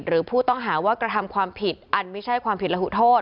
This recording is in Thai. หรือผู้ต้องหาว่ากระทำความผิดอันไม่ใช่ความผิดระหุโทษ